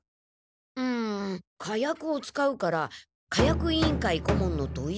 うん火薬を使うから火薬委員会顧問の土井先生？